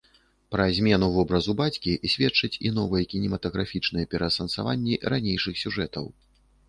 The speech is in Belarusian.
Пра змену вобразу бацькі сведчаць і новыя кінематаграфічныя пераасэнсаванні ранейшых сюжэтаў.